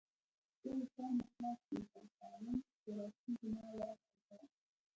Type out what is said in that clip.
زه له شرمه خلاص سوم او سالم خواركى زما له عذابه.